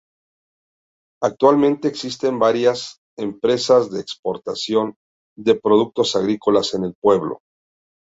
Actualmente existen varias empresas de exportación de productos agrícolas en el pueblo.